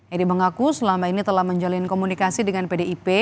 edi mengaku selama ini telah menjalin komunikasi dengan pdip